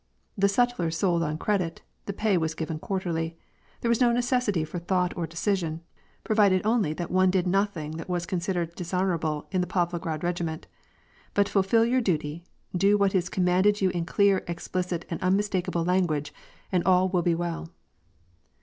The sutler sold on credit, the pay was given quarterly. There was no necessity for thought or decision, provided only that one did nothing that was considered dishonorable in the Pavlograd regiment ; but fulfil your duty, do what is commanded you in clear, explicit and unmistakable language, and all will be well.